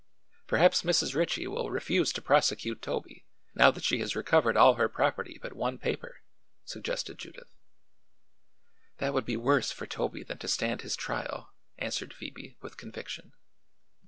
"Perhaps Mrs. Ritchie will refuse to prosecute Toby, now that she has recovered all her property but one paper," suggested Judith. "That would be worse for Toby than to stand his trial," answered Phoebe, with conviction.